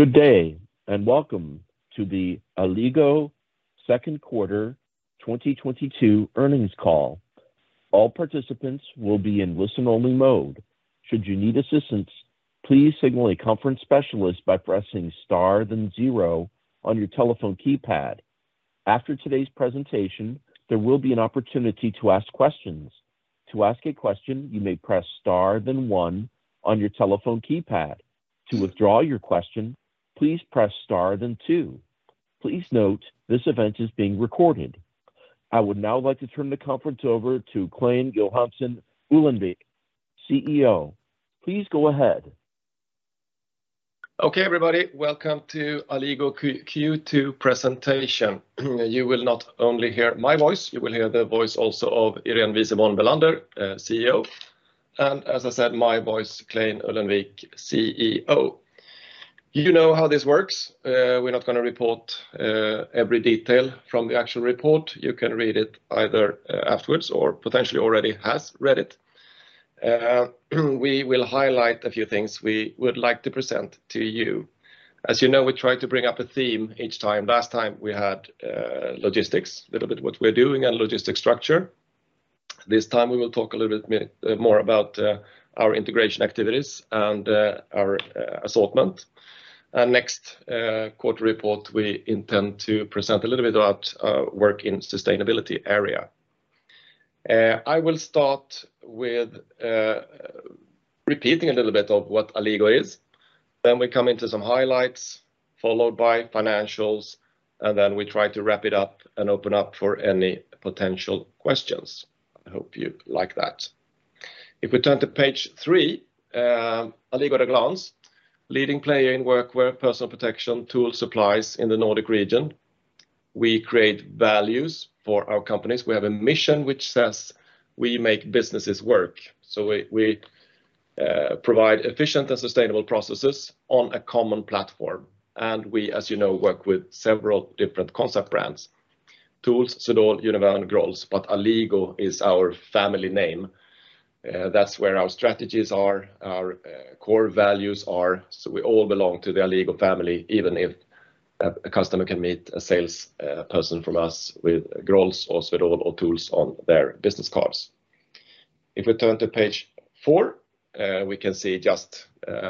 Good day, and welcome to the Alligo second quarter 2022 earnings call. All participants will be in listen-only mode. Should you need assistance, please signal a conference specialist by pressing star then zero on your telephone keypad. After today's presentation, there will be an opportunity to ask questions. To ask a question, you may press star then one on your telephone keypad. To withdraw your question, please press star then two. Please note this event is being recorded. I would now like to turn the conference over to Clein Johansson Ullenvik, CEO. Please go ahead. Okay, everybody. Welcome to Alligo Q2 presentation. You will not only hear my voice, you will hear the voice also of Irene Wisenborn Bellander, CFO, and as I said, my voice, Clein Ullenvik, CEO. You know how this works. We're not gonna report every detail from the actual report. You can read it either afterwards or potentially already has read it. We will highlight a few things we would like to present to you. As you know, we try to bring up a theme each time. Last time we had logistics, little bit what we're doing and logistic structure. This time we will talk a little bit more about our integration activities and our assortment. Next quarter report, we intend to present a little bit about work in sustainability area. I will start with repeating a little bit of what Alligo is, then we come into some highlights followed by financials, and then we try to wrap it up and open up for any potential questions. I hope you like that. If we turn to page three, Alligo at a glance. Leading player in workwear, personal protection, tool supplies in the Nordic region. We create values for our companies. We have a mission which says, "We make businesses work." We provide efficient and sustainable processes on a common platform, and we, as you know, work with several different concept brands, TOOLS, Swedol, Univern, Grolls, but Alligo is our family name. That's where our strategies are, our core values are. We all belong to the Alligo family, even if a customer can meet a sales person from us with Grolls or Swedol or TOOLS on their business cards. If we turn to page four, we can see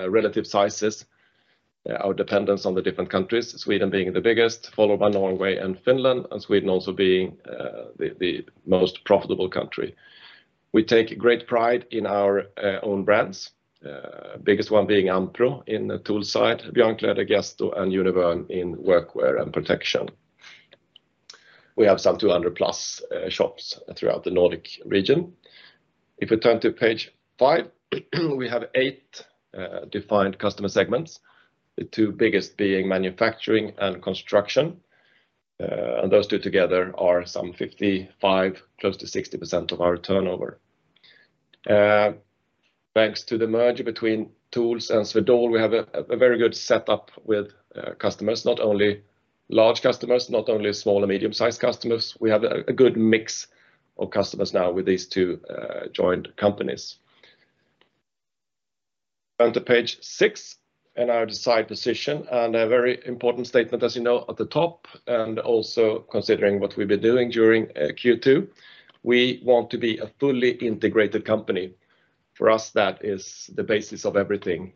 relative sizes, our dependence on the different countries, Sweden being the biggest, followed by Norway and Finland, and Sweden also being the most profitable country. We take great pride in our own brands, biggest one being AmPro in the tool side, Björnkläder, Gesto, and Univern in workwear and protection. We have some 200+ shops throughout the Nordic region. If we turn to page five, we have eight defined customer segments, the two biggest being manufacturing and construction. Those two together are some 55, close to 60% of our turnover. Thanks to the merger between TOOLS and Swedol, we have a very good setup with customers, not only large customers, not only small and medium-sized customers. We have a good mix of customers now with these two joined companies. Turn to page six in our desired position and a very important statement, as you know, at the top, and also considering what we've been doing during Q2, we want to be a fully integrated company. For us, that is the basis of everything.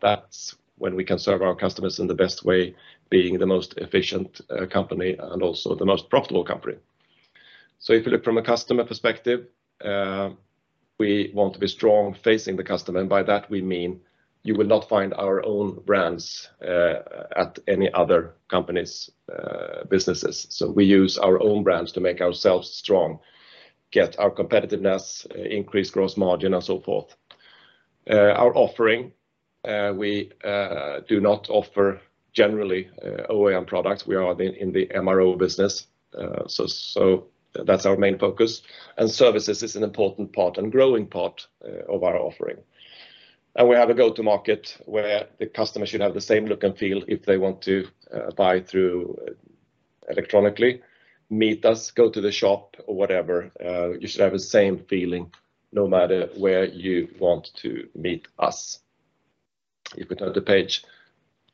That's when we can serve our customers in the best way, being the most efficient company and also the most profitable company. If you look from a customer perspective, we want to be strong facing the customer, and by that we mean you will not find our own brands at any other company's businesses. We use our own brands to make ourselves strong, get our competitiveness, increase gross margin, and so forth. Our offering, we do not offer generally, OEM products. We are in the MRO business, so that's our main focus, and services is an important part and growing part of our offering. We have a go-to-market where the customer should have the same look and feel if they want to buy through electronically, meet us, go to the shop or whatever. You should have the same feeling no matter where you want to meet us. If we turn to page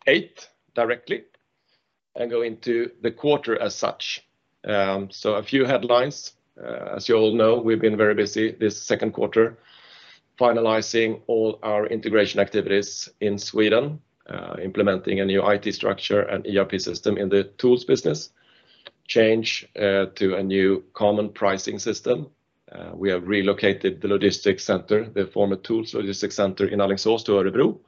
eight directly and go into the quarter as such. A few headlines. As you all know, we've been very busy this second quarter finalizing all our integration activities in Sweden, implementing a new IT structure and ERP system in the TOOLS business, change to a new common pricing system. We have relocated the logistics center, the former TOOLS logistics center in Alingsås to Örebro.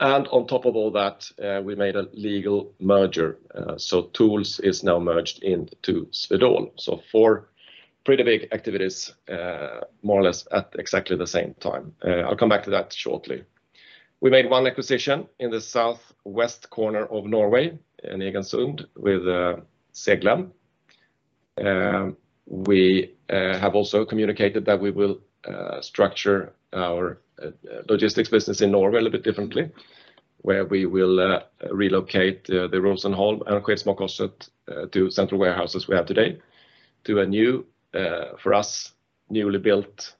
On top of all that, we made a legal merger, so TOOLS is now merged into Swedol. Four pretty big activities, more or less at exactly the same time. I'll come back to that shortly. We made one acquisition in the southwest corner of Norway in Egersund with H.E. Seglem AS. We have also communicated that we will structure our logistics business in Norway a little bit differently, where we will relocate the Rosenholm and Skedsmokorset, two central warehouses we have today to a new, for us, newly built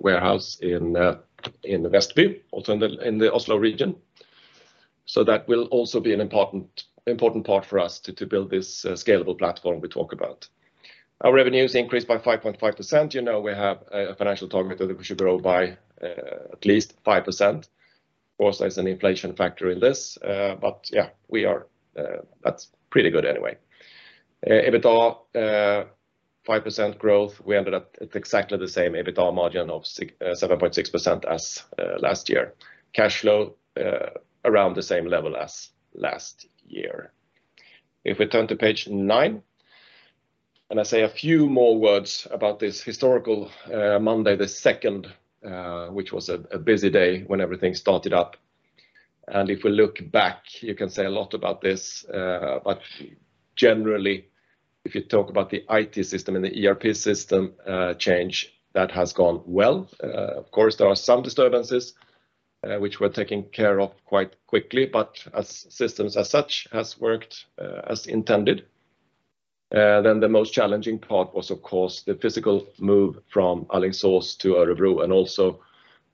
warehouse in Vestby, also in the Oslo region. That will also be an important part for us to build this scalable platform we talk about. Our revenues increased by 5.5%. You know, we have a financial target that we should grow by at least 5%. Of course, there's an inflation factor in this. Yeah, that's pretty good anyway. EBITDA 5% growth, we ended up at exactly the same EBITDA margin of 7.6% as last year. Cash flow around the same level as last year. If we turn to page nine, and I say a few more words about this historical Monday the 2nd, which was a busy day when everything started up. If we look back, you can say a lot about this. Generally, if you talk about the IT system and the ERP system change, that has gone well. Of course, there are some disturbances, which were taken care of quite quickly. As systems as such has worked, as intended. The most challenging part was of course the physical move from Alingsås to Örebro and also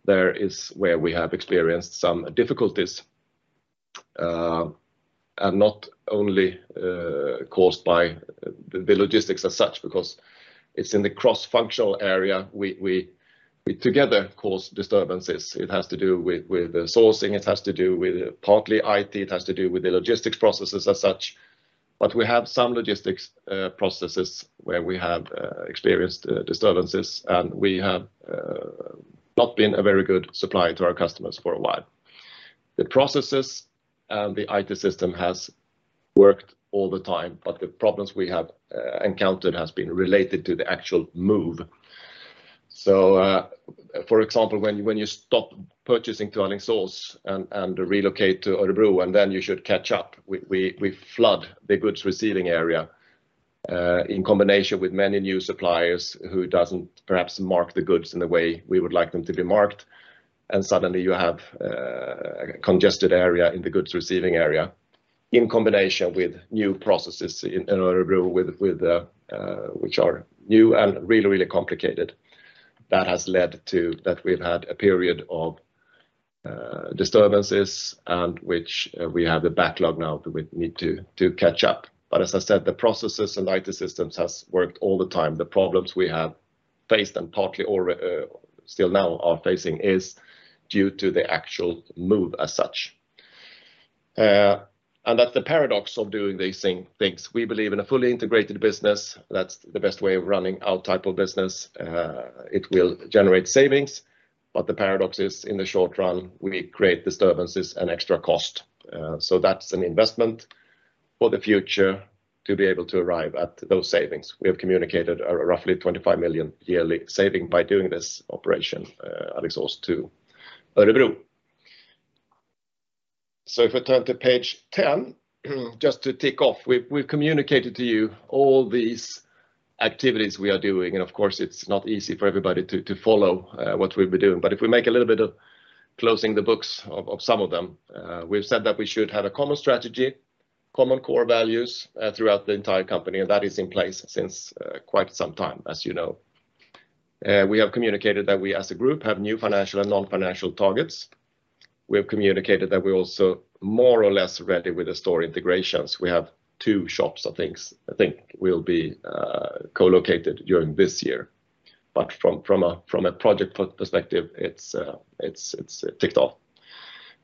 there is where we have experienced some difficulties, and not only caused by the logistics as such because it's in the cross-functional area we together cause disturbances. It has to do with the sourcing, it has to do with partly IT, it has to do with the logistics processes as such. We have some logistics processes where we have experienced disturbances and we have not been a very good supplier to our customers for a while. The processes and the IT system has worked all the time, but the problems we have encountered has been related to the actual move. For example, when you stop purchasing to Alingsås and relocate to Örebro and then you should catch up, we flood the goods receiving area in combination with many new suppliers who doesn't perhaps mark the goods in the way we would like them to be marked and suddenly you have congested area in the goods receiving area in combination with new processes in Örebro with the which are new and really complicated. That has led to that we've had a period of disturbances and which we have a backlog now that we need to catch up. As I said, the processes and IT systems has worked all the time. The problems we have faced and partly or still now are facing is due to the actual move as such. That's the paradox of doing these things. We believe in a fully integrated business. That's the best way of running our type of business. It will generate savings, but the paradox is in the short run we create disturbances and extra cost. That's an investment for the future to be able to arrive at those savings. We have communicated a roughly 25 million yearly saving by doing this operation at Alingsås to Örebro. If we turn to page 10, just to tick off, we've communicated to you all these activities we are doing and of course it's not easy for everybody to follow what we've been doing. If we make a little bit of closing the books of some of them, we've said that we should have a common strategy, common core values throughout the entire company and that is in place since quite some time as you know. We have communicated that we as a group have new financial and non-financial targets. We have communicated that we're also more or less ready with the store integrations. We have two shops I think will be co-located during this year. From a project perspective it's ticked off.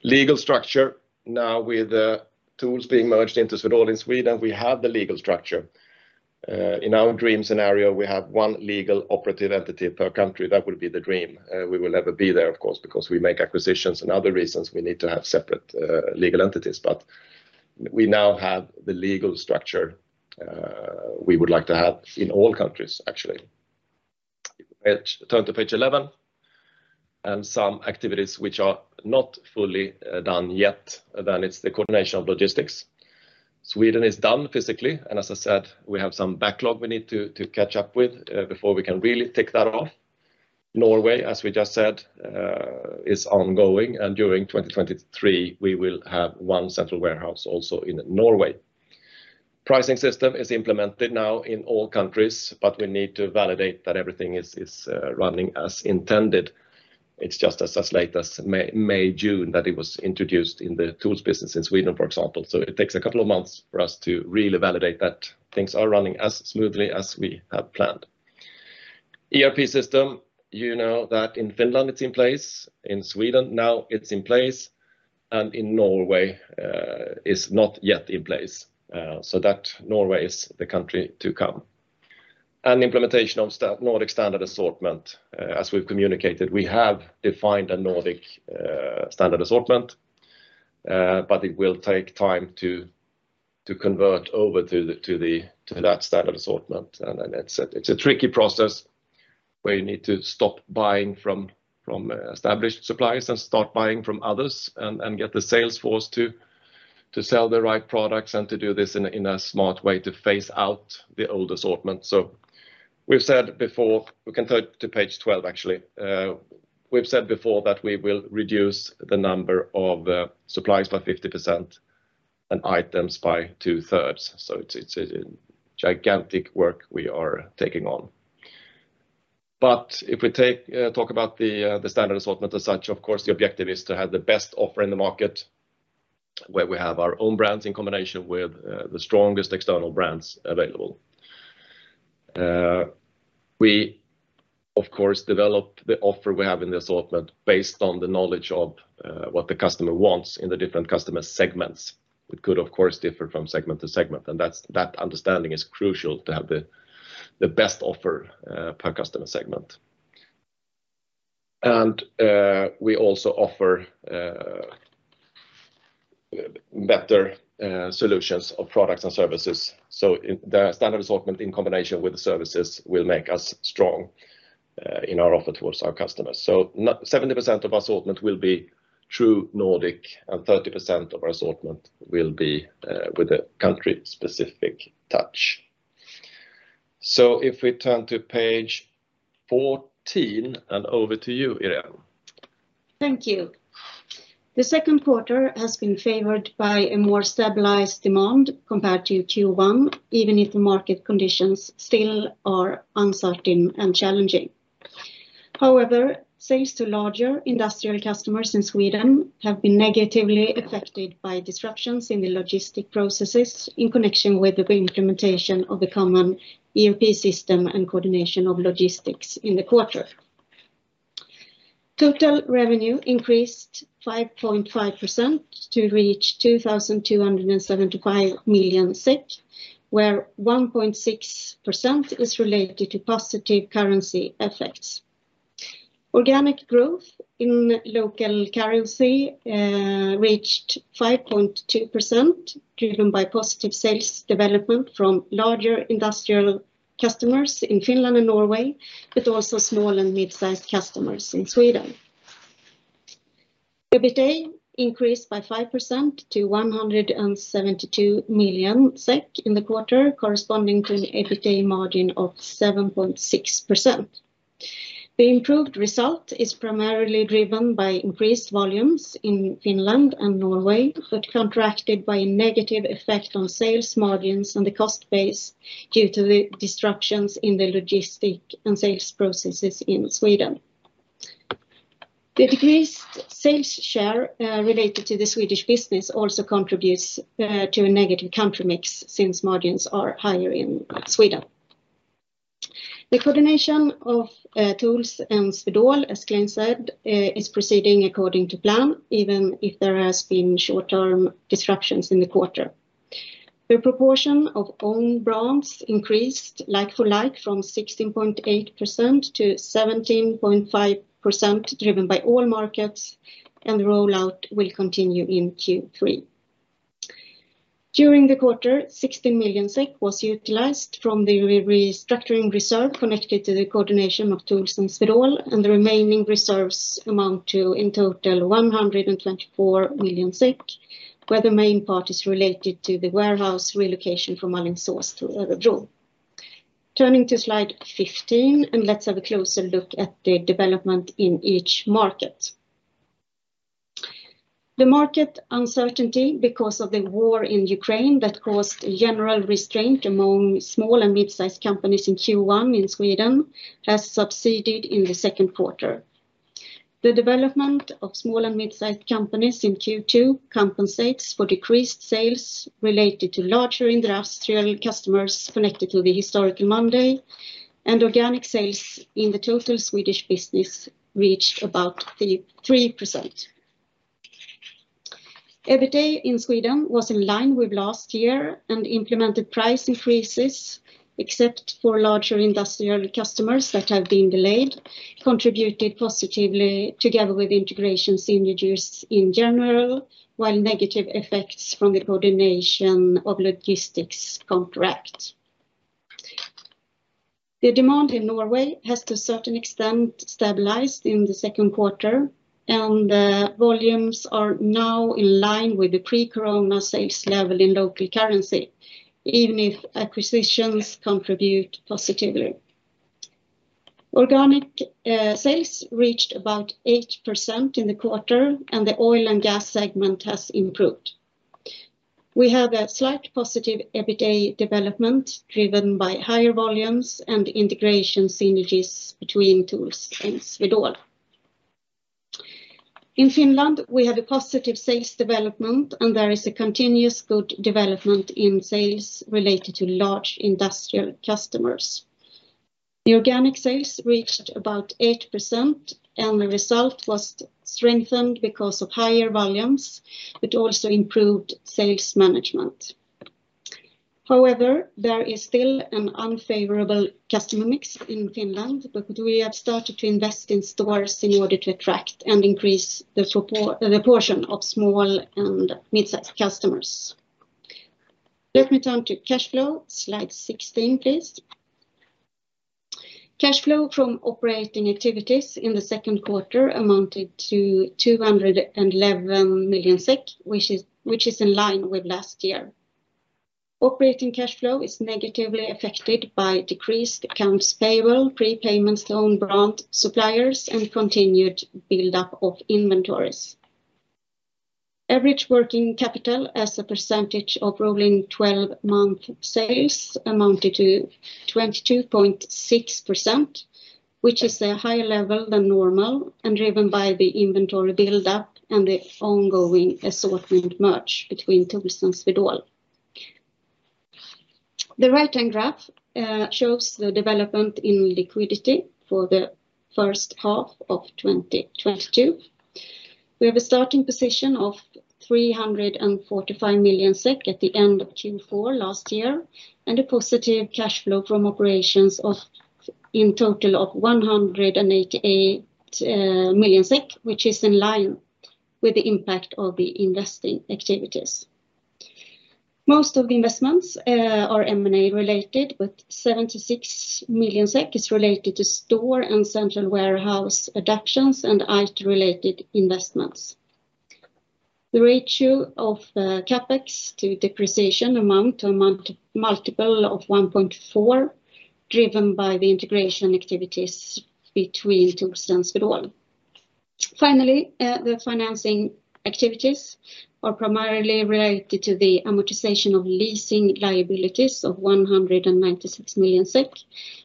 Legal structure now with TOOLS being merged into Swedol in Sweden, we have the legal structure. In our dream scenario we have one legal operative entity per country. That would be the dream. We will never be there of course because we make acquisitions and other reasons we need to have separate legal entities, but we now have the legal structure we would like to have in all countries actually. Turn to page 11 and some activities which are not fully done yet, then it's the coordination of logistics. Sweden is done physically and as I said, we have some backlog we need to catch up with before we can really tick that off. Norway as we just said is ongoing and during 2023 we will have one central warehouse also in Norway. Pricing system is implemented now in all countries, but we need to validate that everything is running as intended. It's just as late as May, June that it was introduced in the TOOLS business in Sweden, for example. It takes a couple of months for us to really validate that things are running as smoothly as we have planned. ERP system, you know that in Finland it's in place, in Sweden now it's in place and in Norway, it's not yet in place. That Norway is the country to come. Implementation of Nordic standard assortment, as we've communicated, we have defined a Nordic standard assortment, but it will take time to convert over to that standard assortment and then it's a tricky process where you need to stop buying from established suppliers and start buying from others and get the sales force to sell the right products and to do this in a smart way to phase out the old assortment. We've said before. We can turn to page 12 actually. We've said before that we will reduce the number of suppliers by 50% and items by two-thirds. It's a gigantic work we are taking on. If we talk about the standard assortment as such, of course, the objective is to have the best offer in the market where we have our own brands in combination with the strongest external brands available. We of course develop the offer we have in the assortment based on the knowledge of what the customer wants in the different customer segments. It could, of course, differ from segment to segment, and that understanding is crucial to have the best offer per customer segment. We also offer better solutions of products and services. In the standard assortment in combination with the services will make us strong in our offer towards our customers. So 70% of our assortment will be true Nordic, and 30% of our assortment will be with a country-specific touch. If we turn to page 14, and over to you, Irene. Thank you. The second quarter has been favored by a more stabilized demand compared to Q1, even if the market conditions still are uncertain and challenging. However, sales to larger industrial customers in Sweden have been negatively affected by disruptions in the logistic processes in connection with the implementation of the common ERP system and coordination of logistics in the quarter. Total revenue increased 5.5% to reach 2,275 million, where 1.6% is related to positive currency effects. Organic growth in local currency reached 5.2%, driven by positive sales development from larger industrial customers in Finland and Norway, but also small and mid-sized customers in Sweden. EBITA increased by 5% to 172 million SEK in the quarter, corresponding to an EBITA margin of 7.6%. The improved result is primarily driven by increased volumes in Finland and Norway, but counteracted by a negative effect on sales margins and the cost base due to the disruptions in the logistics and sales processes in Sweden. The decreased sales share related to the Swedish business also contributes to a negative country mix since margins are higher in Sweden. The coordination of TOOLS and Swedol, as Clein said, is proceeding according to plan, even if there has been short-term disruptions in the quarter. The proportion of own brands increased like for like from 16.8% to 17.5%, driven by all markets, and the rollout will continue in Q3. During the quarter, 60 million SEK was utilized from the restructuring reserve connected to the coordination of TOOLS and Swedol, and the remaining reserves amount to in total 124 million, where the main part is related to the warehouse relocation from Alingsås to Örebro. Turning to Slide 15, and let's have a closer look at the development in each market. The market uncertainty because of the war in Ukraine that caused general restraint among small and mid-sized companies in Q1 in Sweden has subsided in the second quarter. The development of small and mid-sized companies in Q2 compensates for decreased sales related to larger industrial customers connected to the historical M&A, and organic sales in the total Swedish business reached about 3%. Everyday in Sweden was in line with last year, and implemented price increases, except for larger industrial customers that have been delayed, contributed positively together with integration synergies in general, while negative effects from the coordination of logistics contract. The demand in Norway has to a certain extent stabilized in the second quarter, and volumes are now in line with the pre-corona sales level in local currency, even if acquisitions contribute positively. Organic sales reached about 8% in the quarter, and the oil and gas segment has improved. We have a slight positive everyday development driven by higher volumes and integration synergies between TOOLS and Swedol. In Finland, we have a positive sales development, and there is a continuous good development in sales related to large industrial customers. The organic sales reached about 8%, and the result was strengthened because of higher volumes, but also improved sales management. However, there is still an unfavorable customer mix in Finland, but we have started to invest in stores in order to attract and increase the portion of small and mid-sized customers. Let me turn to cash flow. Slide 16, please. Cash flow from operating activities in the second quarter amounted to 211 million SEK, which is in line with last year. Operating cash flow is negatively affected by decreased accounts payable, prepayments to own brand suppliers, and continued buildup of inventories. Average working capital as a percentage of rolling twelve-month sales amounted to 22.6%, which is a higher level than normal and driven by the inventory buildup and the ongoing assortment merge between TOOLS and Swedol. The right-hand graph shows the development in liquidity for the first half of 2022. We have a starting position of 345 million SEK at the end of Q4 last year, and a positive cash flow from operations of in total of 188 million SEK, which is in line with the impact of the investing activities. Most of the investments are M&A related, but 76 million SEK is related to store and central warehouse adaptations and IT related investments. The ratio of the CapEx to depreciation amount to a multiple of 1.4, driven by the integration activities between TOOLS and Swedol. Finally, the financing activities are primarily related to the amortization of leasing liabilities of 196 million SEK,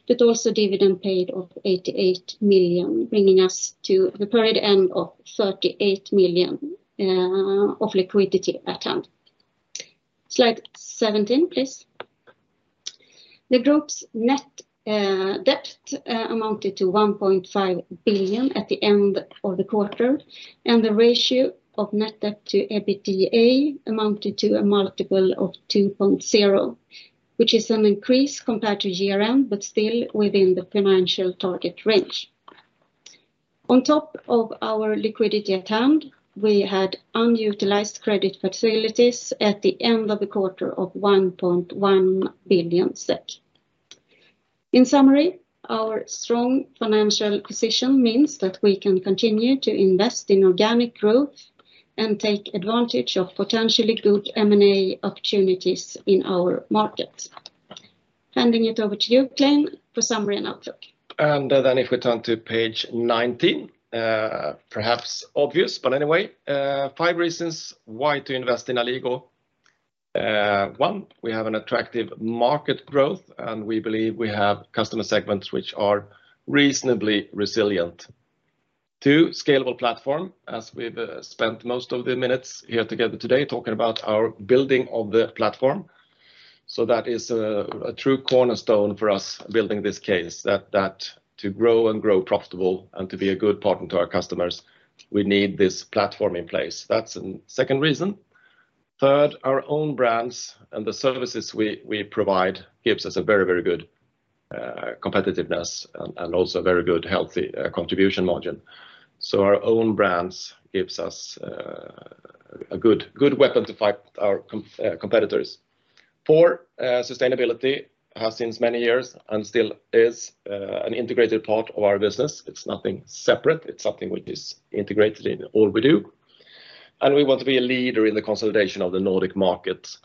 but also dividend paid of 88 million, bringing us to the period end of 38 million of liquidity at hand. Slide 17, please. The group's net debt amounted to 1.5 billion at the end of the quarter, and the ratio of net debt to EBITDA amounted to a multiple of 2.0, which is an increase compared to year-end, but still within the financial target range. On top of our liquidity at hand, we had unutilized credit facilities at the end of the quarter of 1.1 billion SEK. In summary, our strong financial position means that we can continue to invest in organic growth and take advantage of potentially good M&A opportunities in our market. Handing it over to you, Clein, for summary and outlook. Then if we turn to page 19, perhaps obvious, but anyway, five reasons why to invest in Alligo. One, we have an attractive market growth, and we believe we have customer segments which are reasonably resilient. Two, scalable platform, as we've spent most of the minutes here together today talking about our building of the platform. That is a true cornerstone for us building this case that to grow and grow profitable and to be a good partner to our customers, we need this platform in place. That's second reason. Third, our own brands and the services we provide gives us a very good competitiveness and also very good healthy contribution margin. Our own brands gives us a good weapon to fight our competitors. For sustainability has since many years and still is, an integrated part of our business. It's nothing separate. It's something which is integrated in all we do. We want to be a leader in the consolidation of the Nordic market,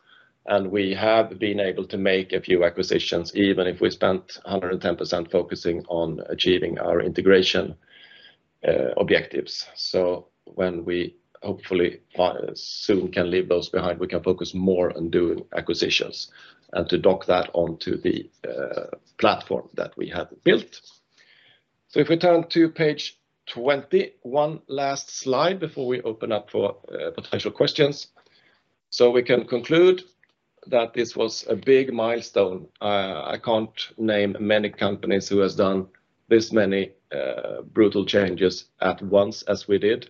and we have been able to make a few acquisitions, even if we spent 110% focusing on achieving our integration objectives. When we hopefully soon can leave those behind, we can focus more on doing acquisitions and to dock that onto the platform that we have built. If we turn to page 20, one last slide before we open up for potential questions. We can conclude that this was a big milestone. I can't name many companies who has done this many brutal changes at once as we did.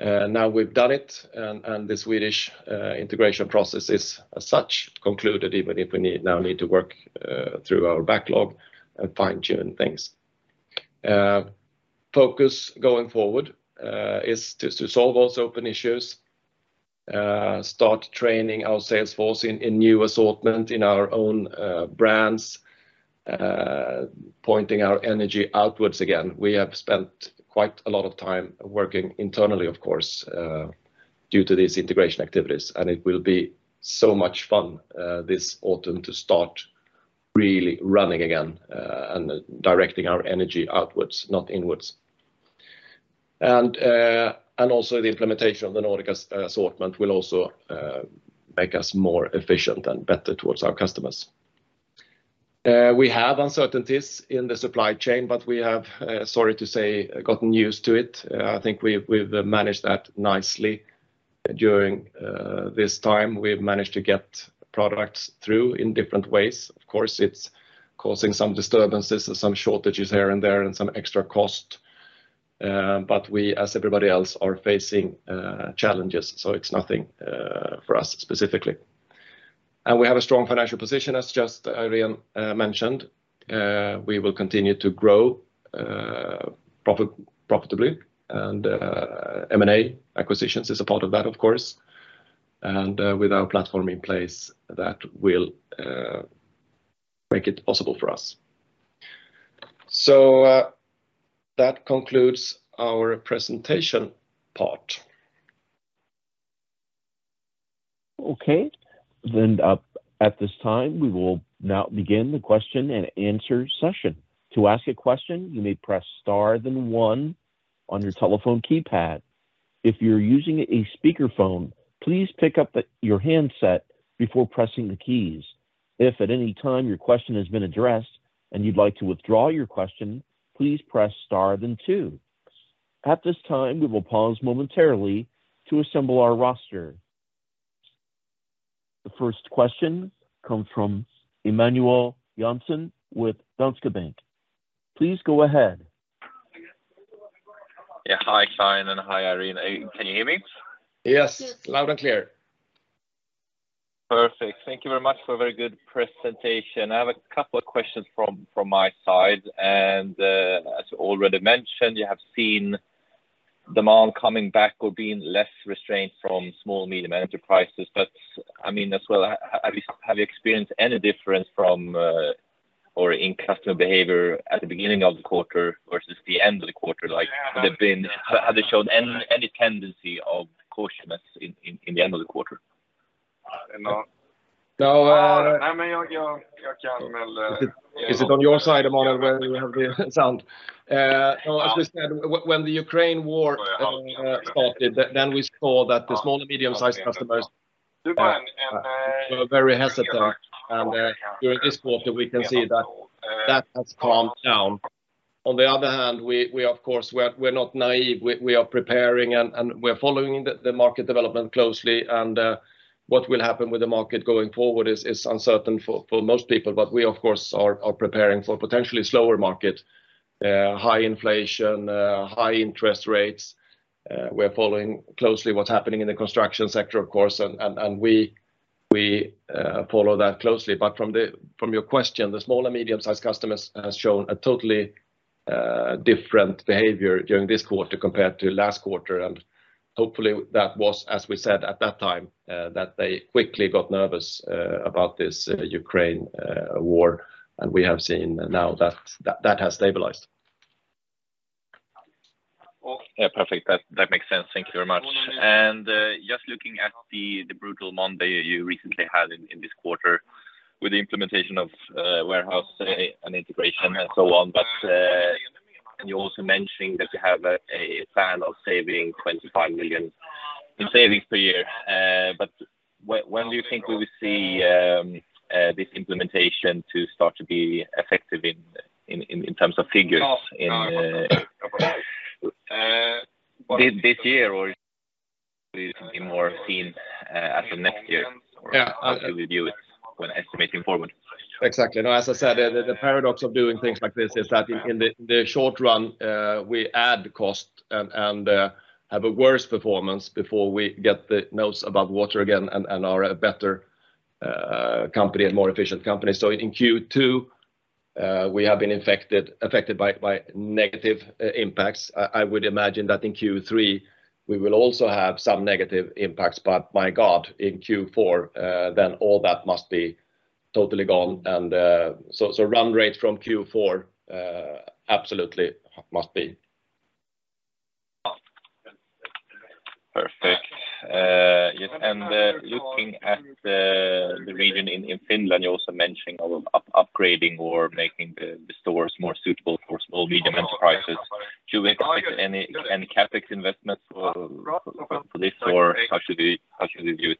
Now we've done it and the Swedish integration process is as such concluded, even if we need to work through our backlog and fine-tune things. Focus going forward is to solve those open issues, start training our sales force in new assortment in our own brands, pointing our energy outwards again. We have spent quite a lot of time working internally, of course, due to these integration activities, and it will be so much fun this autumn to start really running again and directing our energy outwards, not inwards. Also the implementation of the Nordic assortment will also make us more efficient and better towards our customers. We have uncertainties in the supply chain, but we have, sorry to say, gotten used to it. I think we've managed that nicely during this time. We've managed to get products through in different ways. Of course, it's causing some disturbances, some shortages here and there and some extra cost, but we, as everybody else, are facing challenges. It's nothing for us specifically. We have a strong financial position, as just Irene mentioned. We will continue to grow profitably and M&A acquisitions is a part of that of course. With our platform in place, that will make it possible for us. That concludes our presentation part. Okay. At this time, we will now begin the question and answer session. To ask a question, you may press star then one on your telephone keypad. If you're using a speakerphone, please pick up your handset before pressing the keys. If at any time your question has been addressed and you'd like to withdraw your question, please press star then two. At this time, we will pause momentarily to assemble our roster. The first question comes from Emanuel Jansson with Danske Bank. Please go ahead. Yeah. Hi, Clein, and hi, Irene. Can you hear me? Yes. Yes. Loud and clear. Perfect. Thank you very much for a very good presentation. I have a couple of questions from my side, and as you already mentioned, you have seen demand coming back or being less restrained from small, medium enterprises. I mean as well, have you experienced any difference from or in customer behavior at the beginning of the quarter versus the end of the quarter? Have they shown any tendency of cautiousness in the end of the quarter? No. Is it on your side, Emanuel, where you have the sound? No, as we said, when the Ukraine war started, then we saw that the small and medium-sized customers were very hesitant. During this quarter, we can see that has calmed down. On the other hand, we of course are not naive. We are preparing and we're following the market development closely and what will happen with the market going forward is uncertain for most people. We of course are preparing for potentially slower market, high inflation, high interest rates. We're following closely what's happening in the construction sector of course and we follow that closely. From your question, the small and medium-sized customers has shown a totally different behavior during this quarter compared to last quarter and hopefully that was as we said at that time, that they quickly got nervous about this Ukraine war. We have seen now that that has stabilized. Yeah. Perfect. That makes sense. Thank you very much. Just looking at the brutal margin you recently had in this quarter with the implementation of warehouse and integration and so on. You're also mentioning that you have a plan of saving 25 million in savings per year. When do you think we will see this implementation to start to be effective in terms of figures in this year or will it be more seen at the next year or? Yeah. How do you view it when estimating forward? Exactly. No, as I said, the paradox of doing things like this is that in the short run, we add cost and have a worse performance before we get the nose above water again and are a better company and more efficient company. In Q2, we have been affected by negative impacts. I would imagine that in Q3 we will also have some negative impacts, but my God, in Q4, then all that must be totally gone. Run rate from Q4 absolutely must be. Perfect. Looking at the region in Finland, you also mentioned upgrading or making the stores more suitable for small, medium enterprises. Should we expect any CapEx investments for this or how should we view it?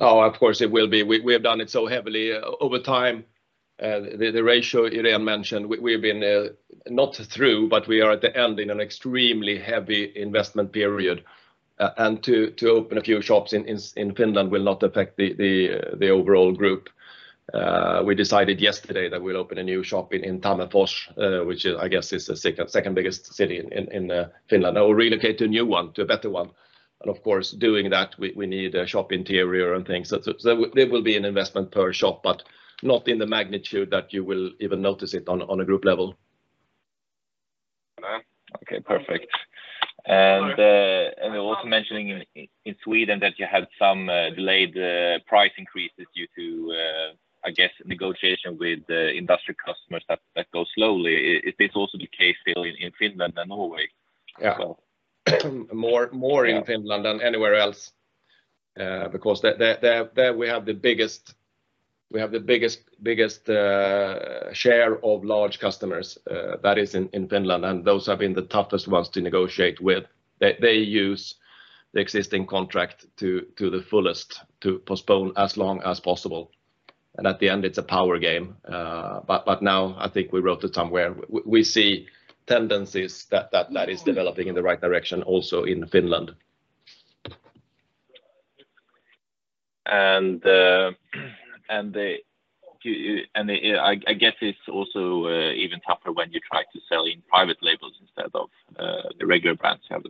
Oh, of course it will be. We have done it so heavily over time. The ratio Irene mentioned, we've been through, but we are at the end in an extremely heavy investment period. To open a few shops in Finland will not affect the overall group. We decided yesterday that we'll open a new shop in Tampere, which is I guess the second biggest city in Finland, or relocate to a new one, to a better one. Of course doing that, we need a shop interior and things. There will be an investment per shop, but not in the magnitude that you will even notice it on a group level. Okay. Perfect. You're also mentioning in Sweden that you had some delayed price increases due to, I guess, negotiation with the industrial customers that go slowly. Is this also the case still in Finland and Norway as well? Yeah. More in Finland than anywhere else, because there we have the biggest share of large customers that is in Finland. Those have been the toughest ones to negotiate with. They use the existing contract to the fullest to postpone as long as possible. At the end it's a power game. Now I think we wrote it somewhere. We see tendencies that is developing in the right direction also in Finland. I guess it's also even tougher when you try to sell in private labels instead of the regular brands have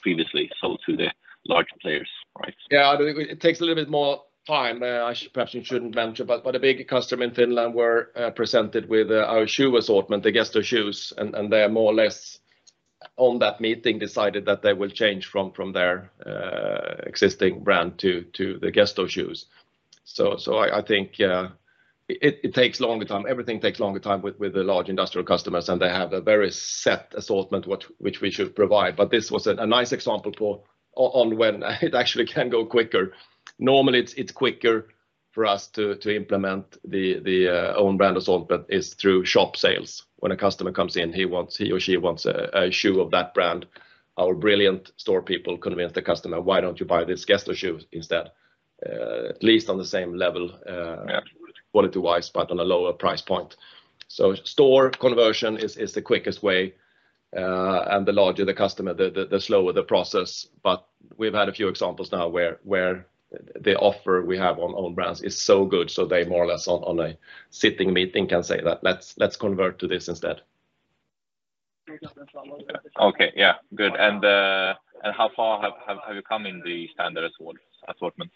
previously sold to the larger players, right? Yeah. It takes a little bit more time. I perhaps shouldn't mention, but a big customer in Finland were presented with our shoe assortment against their shoes, and they're more or less on that meeting decided that they will change from their existing brand to the Gesto shoes. I think it takes longer time. Everything takes longer time with the large industrial customers, and they have a very set assortment which we should provide. This was a nice example for on when it actually can go quicker. Normally it's quicker for us to implement the own brand assortment through shop sales. When a customer comes in, he or she wants a shoe of that brand, our brilliant store people convince the customer, "Why don't you buy this Gesto shoe instead? At least on the same level, quality-wise, but on a lower price point." Store conversion is the quickest way, and the larger the customer, the slower the process. We've had a few examples now where the offer we have on own brands is so good, so they more or less on a sitting meeting can say that let's convert to this instead. Okay. Yeah. Good. And how far have you come in the standard assortment?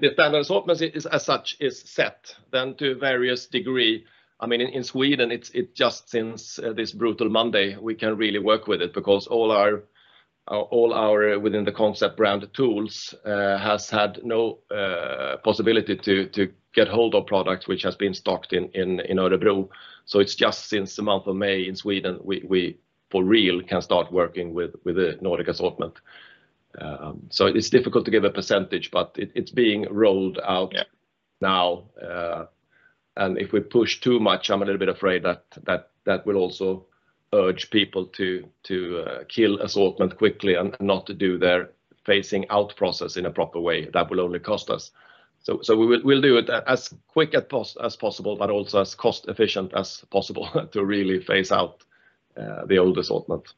The standard assortment is as such set to various degree. I mean, in Sweden, it's just since this brutal Monday we can really work with it because all our within the concept brand TOOLS has had no possibility to get hold of products which has been stocked in Örebro. It's just since the month of May in Sweden, we for real can start working with the Nordic assortment. So it's difficult to give a percentage, but it's being rolled out. Yeah Now. If we push too much, I'm a little bit afraid that will also urge people to kill assortment quickly and not to do their phasing out process in a proper way. That will only cost us. We'll do it as quick as possible, but also as cost efficient as possible to really phase out the old assortment.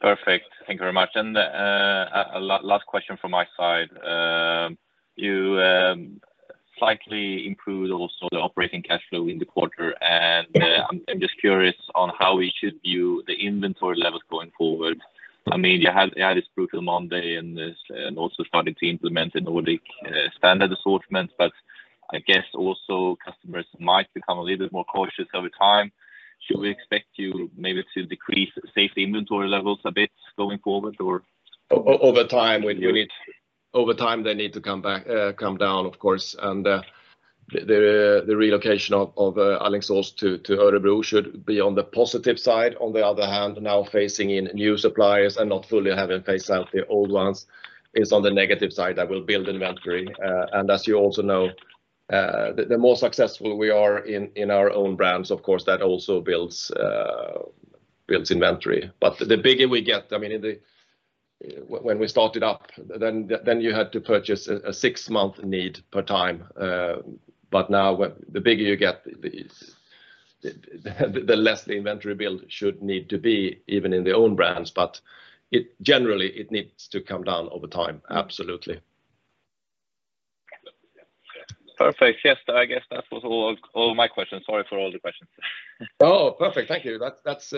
Perfect. Thank you very much. Last question from my side. You slightly improved also the operating cash flow in the quarter, and Yeah I'm just curious on how we should view the inventory levels going forward. I mean, you had this brutal Monday and also starting to implement the Nordic standard assortment, but I guess also customers might become a little bit more cautious over time. Should we expect you maybe to decrease safe inventory levels a bit going forward? Over time we need. Yeah. Over time they need to come down, of course. The relocation of Alingsås to Örebro should be on the positive side. On the other hand, now phasing in new suppliers and not fully having phased out the old ones is on the negative side. That will build inventory. As you also know, the more successful we are in our own brands, of course, that also builds inventory. The bigger we get, I mean. When we started up, then you had to purchase a six-month need per time. Now the bigger you get, the less the inventory build should need to be even in the own brands. It generally needs to come down over time. Absolutely. Perfect. Yes, I guess that was all my questions. Sorry for all the questions. Oh, perfect. Thank you. That's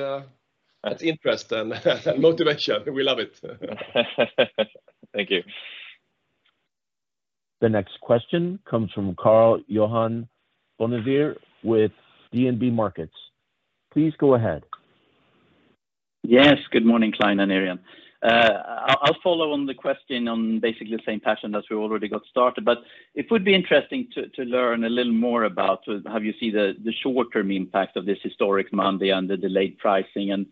interest and motivation. We love it. Thank you. The next question comes from Karl-Johan Bonnevier with DNB Markets. Please go ahead. Yes. Good morning, Clein and Irene. I'll follow on the question on basically the same fashion as we already got started, but it would be interesting to learn a little more about how you see the short-term impact of this historic Monday and the delayed pricing.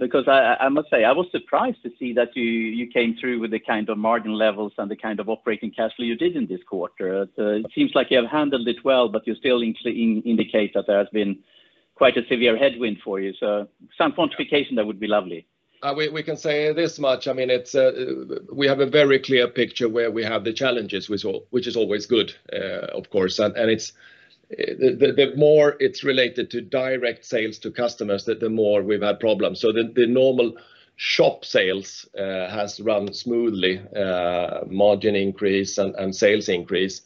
Because I must say, I was surprised to see that you came through with the kind of margin levels and the kind of operating cash flow you did in this quarter. It seems like you have handled it well, but you still indicate that there has been quite a severe headwind for you. Some quantification there would be lovely. We can say this much. I mean, it's we have a very clear picture where we have the challenges which is always good, of course. The more it's related to direct sales to customers that the more we've had problems. The normal shop sales has run smoothly, margin increase and sales increase.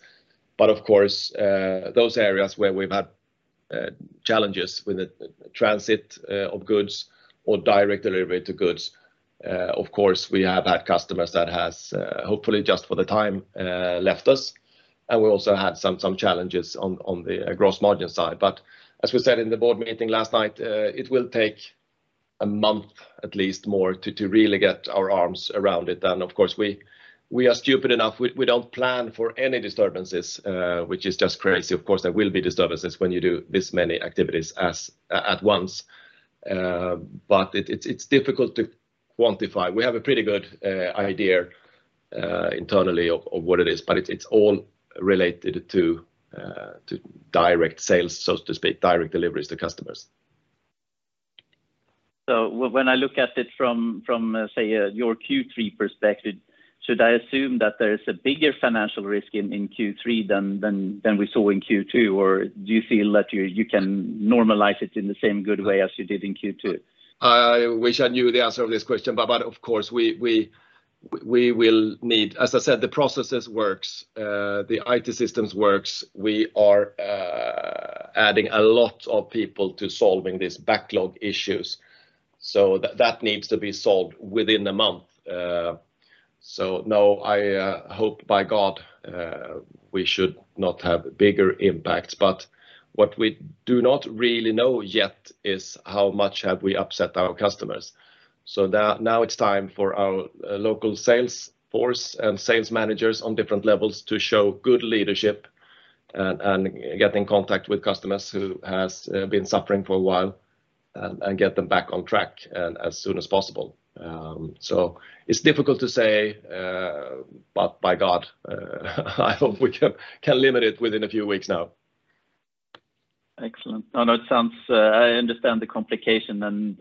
Of course, those areas where we've had challenges with the transit of goods or direct delivery of goods, of course, we have had customers that has hopefully just for the time left us. We also had some challenges on the gross margin side. As we said in the board meeting last night, it will take a month at least more to really get our arms around it. Of course, we are stupid enough, we don't plan for any disturbances, which is just crazy. Of course, there will be disturbances when you do this many activities all at once. It's difficult to quantify. We have a pretty good idea internally of what it is, but it's all related to direct sales, so to speak, direct deliveries to customers. When I look at it from, say, your Q3 perspective, should I assume that there is a bigger financial risk in Q3 than we saw in Q2? Or do you feel that you can normalize it in the same good way as you did in Q2? I wish I knew the answer of this question, but of course, we will need. As I said, the processes works, the IT systems works. We are adding a lot of people to solving these backlog issues. That needs to be solved within a month. No, I hope by God, we should not have bigger impacts. What we do not really know yet is how much have we upset our customers. Now it's time for our local sales force and sales managers on different levels to show good leadership and get in contact with customers who has been suffering for a while and get them back on track as soon as possible. It's difficult to say, but by God, I hope we can limit it within a few weeks now. Excellent. I know it sounds, I understand the complication and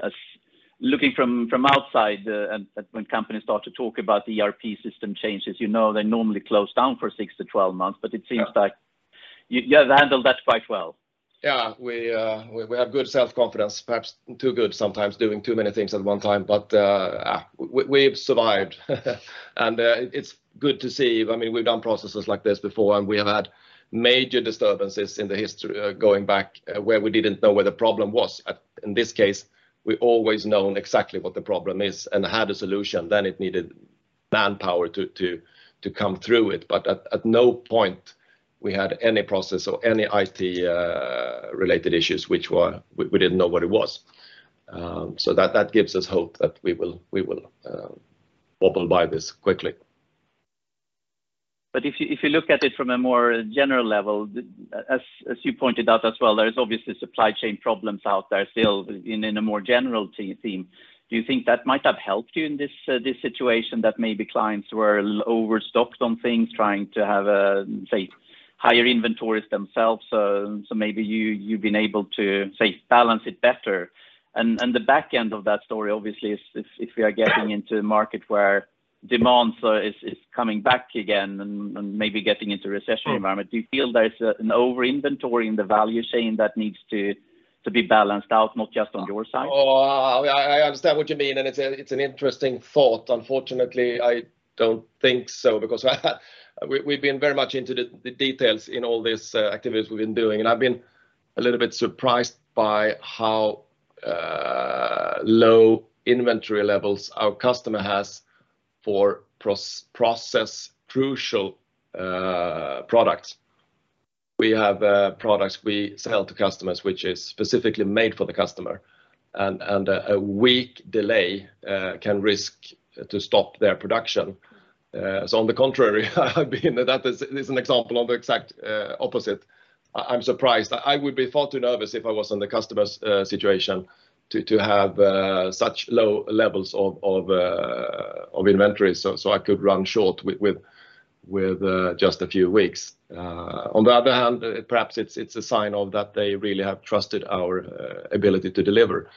looking from outside, and when companies start to talk about ERP system changes, you know they normally close down for 6-12 months. Yeah It seems like you have handled that quite well. We have good self-confidence, perhaps too good sometimes, doing too many things at one time. We've survived. It's good to see. I mean, we've done processes like this before, and we have had major disturbances in the history, going back, where we didn't know where the problem was. In this case, we always known exactly what the problem is and had a solution, then it needed manpower to come through it. At no point we had any process or any IT related issues which we didn't know what it was. That gives us hope that we will wobble by this quickly. If you look at it from a more general level, as you pointed out as well, there is obviously supply chain problems out there still in a more general theme. Do you think that might have helped you in this situation that maybe clients were overstocked on things trying to have, say, higher inventories themselves? Maybe you've been able to, say, balance it better. The back end of that story obviously is if we are getting into a market where demand is coming back again and maybe getting into recession environment. Mm Do you feel there is an over-inventory in the value chain that needs to be balanced out, not just on your side? I understand what you mean, and it's an interesting thought. Unfortunately, I don't think so because we've been very much into the details in all this activities we've been doing, and I've been a little bit surprised by how low inventory levels our customer has for process crucial products. We have products we sell to customers which is specifically made for the customer and a week delay can risk to stop their production. On the contrary, I mean, that is an example of the exact opposite. I'm surprised. I would be far too nervous if I was in the customer's situation to have such low levels of inventory, so I could run short with just a few weeks. On the other hand, perhaps it's a sign of that they really have trusted our ability to deliver.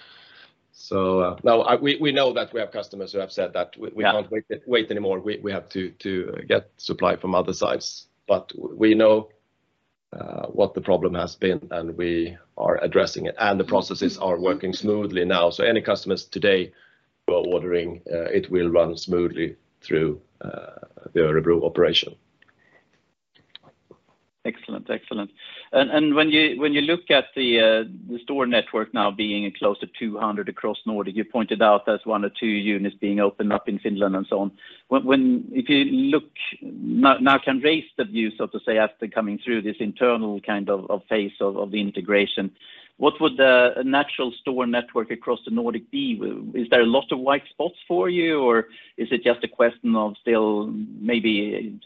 Now we know that we have customers who have said that we can't wait anymore. We have to get supply from other sides. We know what the problem has been, and we are addressing it, and the processes are working smoothly now. Any customers today who are ordering it will run smoothly through the Örebro operation. Excellent. Excellent. When you look at the store network now being close to 200 across Nordic, you pointed out there's one or two units being opened up in Finland and so on. If you look now can raise the view, so to say, after coming through this internal kind of phase of the integration, what would the natural store network across the Nordic be? Is there a lot of white spots for you, or is it just a question of still maybe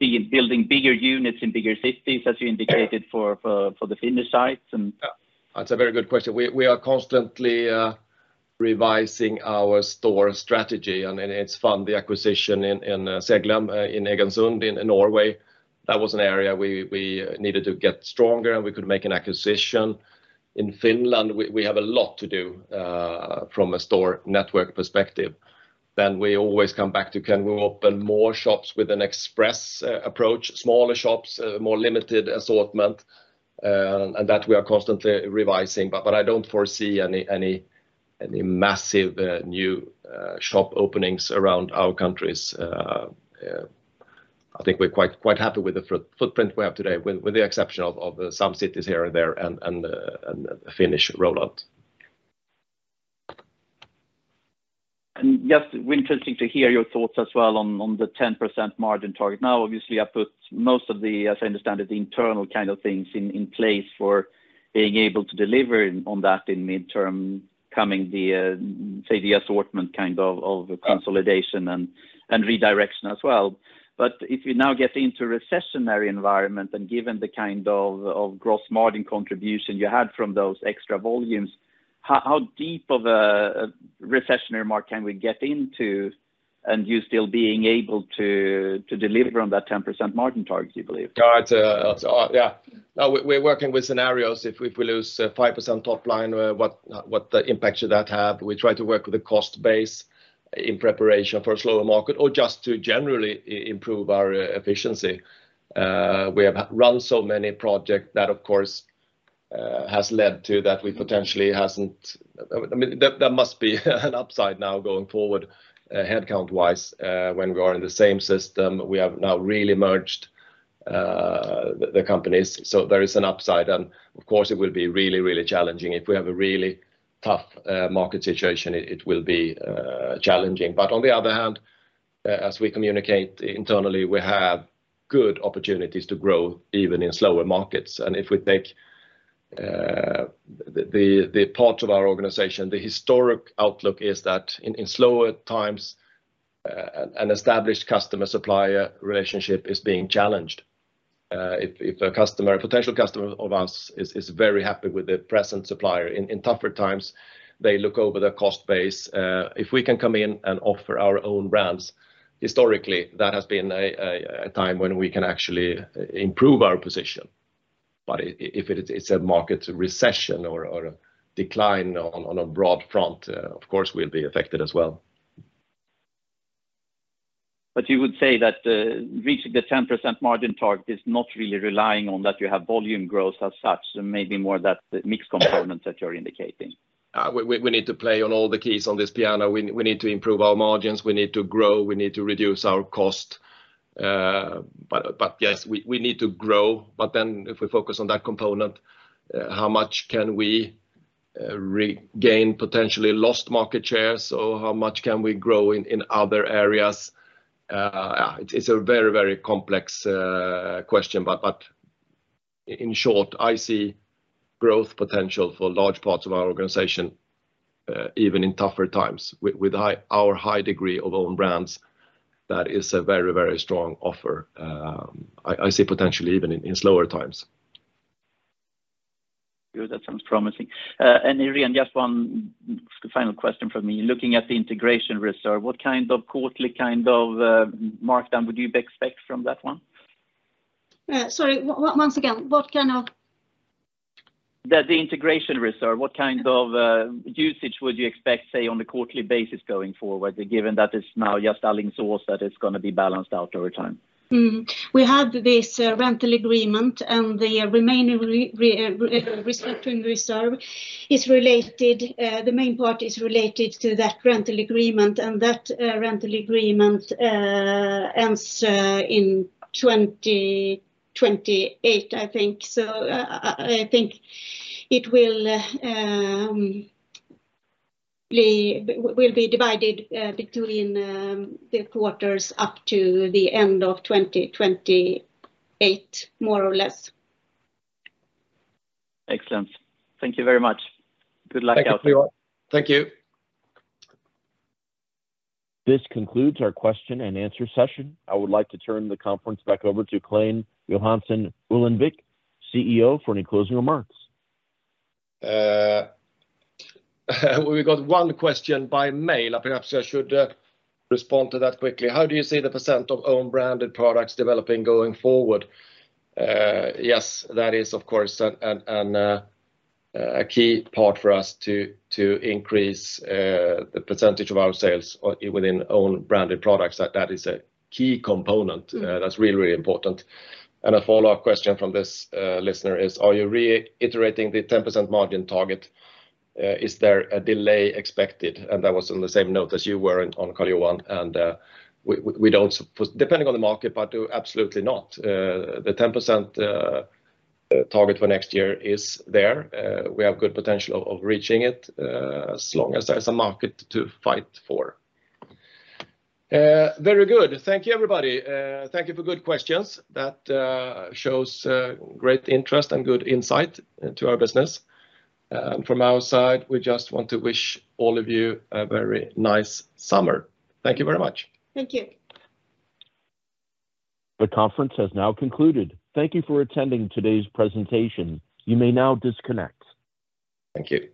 building bigger units in bigger cities, as you indicated for the Finnish sites and- Yeah. That's a very good question. We are constantly revising our store strategy and it's fun. The acquisition in H.E. Seglem in Egersund, Norway, that was an area we needed to get stronger, and we could make an acquisition. In Finland, we have a lot to do from a store network perspective. We always come back to can we open more shops with an express approach, smaller shops, more limited assortment, and that we are constantly revising. I don't foresee any massive new shop openings around our countries. I think we're quite happy with the footprint we have today with the exception of some cities here and there and the Finnish rollout. Just interesting to hear your thoughts as well on the 10% margin target. Now, obviously you have put most of the, as I understand it, the internal kind of things in place for being able to deliver on that in mid-term coming the, say the assortment kind of consolidation and redirection as well. If you now get into recessionary environment and given the kind of gross margin contribution you had from those extra volumes, how deep of a recessionary market can we get into and you still being able to deliver on that 10% margin target, you believe? No, it's, yeah. No, we're working with scenarios if we lose 5% top line, what the impact should that have. We try to work with the cost base in preparation for a slower market or just to generally improve our efficiency. We have run so many projects that, of course, has led to that we potentially hasn't. I mean, there must be an upside now going forward, headcount-wise, when we are in the same system. We have now really merged the companies, so there is an upside. Of course it will be really, really challenging. If we have a really tough market situation, it will be challenging. On the other hand, as we communicate internally, we have good opportunities to grow even in slower markets. If we take the part of our organization, the historic outlook is that in slower times, an established customer-supplier relationship is being challenged. If a customer, a potential customer of ours is very happy with the present supplier in tougher times, they look over their cost base. If we can come in and offer our own brands, historically that has been a time when we can actually improve our position. If it's a market recession or a decline on a broad front, of course we'll be affected as well. You would say that reaching the 10% margin target is not really relying on that you have volume growth as such, maybe more that mix component that you're indicating? We need to play on all the keys on this piano. We need to improve our margins, we need to grow, we need to reduce our cost. Yes, we need to grow. Then if we focus on that component, how much can we regain potentially lost market shares, or how much can we grow in other areas? It's a very complex question. In short, I see growth potential for large parts of our organization, even in tougher times. With our high degree of own brands, that is a very strong offer, I see potentially even in slower times. Good. That sounds promising. Irene, just one final question from me. Looking at the integration reserve, what kind of quarterly kind of markdown would you expect from that one? Sorry, once again, what kind of? The integration reserve, what kind of usage would you expect, say, on a quarterly basis going forward, given that it's now just adding costs that is gonna be balanced out over time? We have this rental agreement, and the remaining restructuring reserve is related, the main part is related to that rental agreement. That rental agreement ends in 2028, I think. I think it will be divided between the quarters up to the end of 2028, more or less. Excellent. Thank you very much. Good luck out there. Thank you. Thank you. This concludes our question and answer session. I would like to turn the conference back over to Clein Johansson Ullenvik, CEO, for any closing remarks. We got one question by mail. Perhaps I should respond to that quickly. How do you see the percent of own branded products developing going forward? Yes, that is of course a key part for us to increase the percentage of our sales within own branded products. That is a key component that's really important. A follow-up question from this listener is, are you reiterating the 10% margin target? Is there a delay expected? That was on the same note as you were on, Karl-Johan. Depending on the market, but absolutely not. The 10% target for next year is there. We have good potential of reaching it as long as there's a market to fight for. Very good. Thank you, everybody. Thank you for good questions. That shows great interest and good insight into our business. From our side, we just want to wish all of you a very nice summer. Thank you very much. Thank you. The conference has now concluded. Thank you for attending today's presentation. You may now disconnect. Thank you.